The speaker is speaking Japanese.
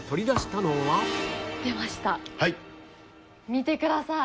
見てください。